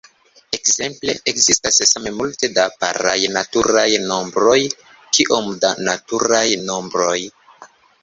Ekzemple, ekzistas same multe da paraj naturaj nombroj kiom da naturaj nombroj.